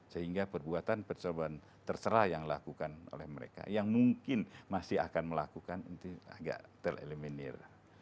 sehingga perbuatan percobaan terserah yang dilakukan oleh mereka yang mungkin masih akan melakukan itu agak tereliminir